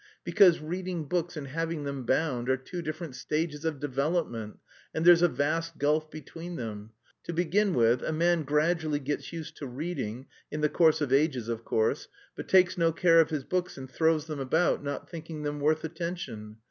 "Because reading books and having them bound are two different stages of development, and there's a vast gulf between them. To begin with, a man gradually gets used to reading, in the course of ages of course, but takes no care of his books and throws them about, not thinking them worth attention.